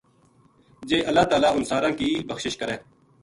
جے اللہ تعالیٰ اُنھ ساراں کی بخشش کرے